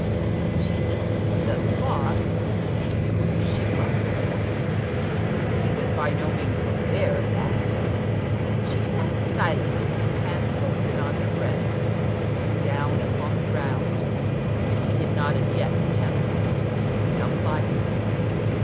When she had listened to him thus far, of course she must accept him; but he was by no means aware of that. She sat silent, with her hands folded on her breast, looking down upon the ground; but he did not as yet attempt to seat himself by her.